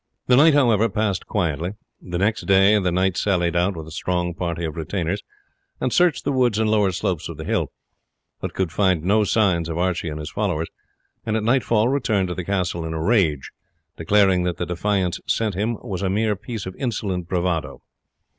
The night, however, passed quietly. The next day the knight sallied out with a strong party of retainers, and searched the woods and lower slopes of the hill, but could find no signs of Archie and his followers, and at nightfall returned to the castle in a rage, declaring that the defiance sent him was a mere piece of insolent bravado.